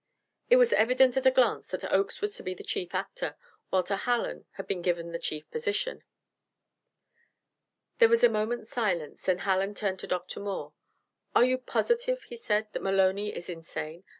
It was evident at a glance that Oakes was to be the chief actor, while to Hallen had been given the chief position. There was a moment's silence, then Hallen turned to Dr. Moore: "Are you positive," he said, "that Maloney is insane?